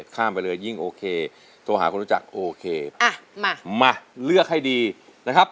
ข้ามไปเลยยิ่งโอเคโทรหาคนรู้จักโอเคอ่ะมามาเลือกให้ดีนะครับ